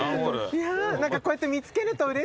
こうやって見つけるとうれしくなる。